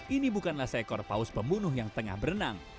ini bukanlah seekor paus pembunuh yang tengah berenang